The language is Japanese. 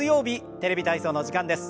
「テレビ体操」の時間です。